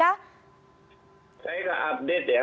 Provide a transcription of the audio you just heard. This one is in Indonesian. saya tidak update ya